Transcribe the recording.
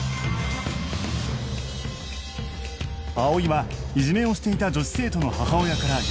葵はいじめをしていた女子生徒の母親から呼び出された